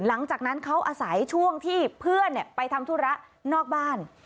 หลังจากนั้นเขาอาศัยช่วงที่เพื่อนไปทำธุระนอกบ้าน